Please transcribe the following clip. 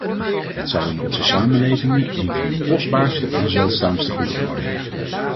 Het zal in onze samenlevingen een van de kostbaarste en zeldzaamste goederen worden.